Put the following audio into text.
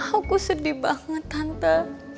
aku sedih banget tante